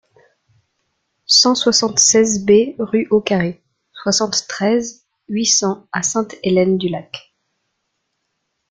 cent soixante-seize B rue Au Carré, soixante-treize, huit cents à Sainte-Hélène-du-Lac